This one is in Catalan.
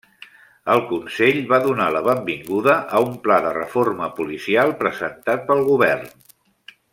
El Consell va donar la benvinguda a un pla de reforma policial presentat pel govern.